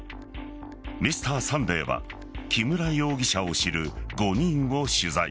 「Ｍｒ．サンデー」は木村容疑者を知る５人を取材。